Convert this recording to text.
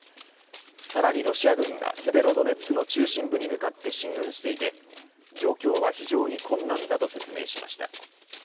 さらにロシア軍がセベロドネツクの中心部に向かって進軍していて状況は非常に困難だと説明しました。